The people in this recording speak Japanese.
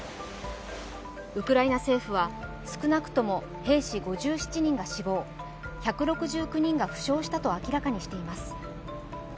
ウクライナ政府は、少なくとも兵士５７人が死亡、１６９人が負傷したと明らかにしています。